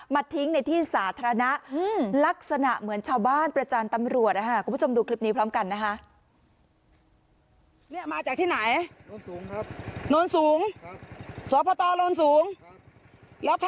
มาทิ้งในที่สาธารณะลักษณะเหมือนชาวบ้านประจานตำรวจนะฮะ